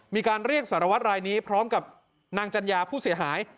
มีการเรียกสารวัตรรายนี้พร้อมกับนางจัญญาผู้เสียหาย